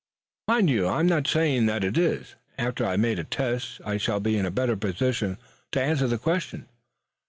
"Mind you, I am not saying that it is. After I have made a test I shall be in better position to answer that question.